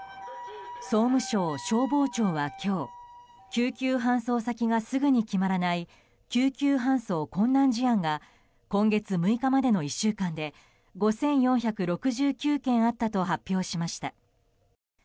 総務省消防庁は今日救急搬送先がすぐに決まらない救急搬送困難事案が今月６日までの１週間で５４６９件あったと発表しました。